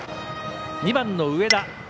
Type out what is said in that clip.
２番の上田。